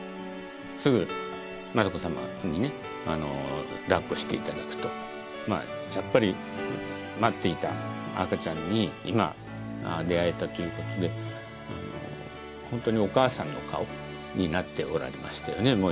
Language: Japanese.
すぐ雅子さまにねだっこしていただくとやっぱり待っていた赤ちゃんに今出会えたということでホントにお母さんの顔になっておられましたよね